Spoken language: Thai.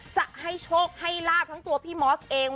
จะให้โชคให้ลาบทั้งตัวพี่มอสเอง